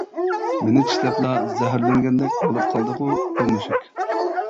مېنى چىشلەپلا زەھەرلەنگەندەك بولۇپ قالدىغۇ بۇ مۈشۈك؟ !